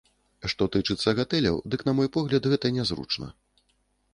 Што тычыцца гатэляў, дык на мой погляд, гэта нязручна.